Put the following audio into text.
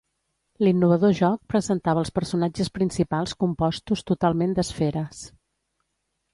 L'innovador joc presentava els personatges principals compostos totalment d'esferes.